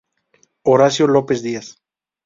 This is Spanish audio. Horacio López Díaz.